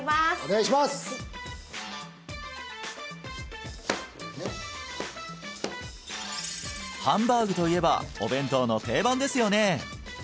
はいハンバーグといえばお弁当の定番ですよね